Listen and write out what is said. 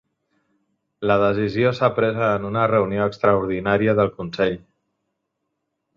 La decisió s'ha pres en una reunió extraordinària del consell